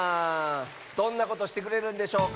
どんなことしてくれるんでしょうか？